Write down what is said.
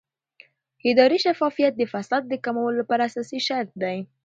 اداري شفافیت د فساد د کمولو لپاره اساسي شرط دی